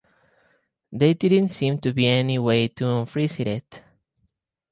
There didn't seem to be any way to unfreeze it.